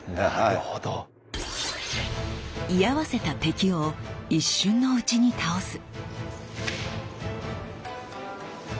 居合わせた敵を一瞬のうちに倒す！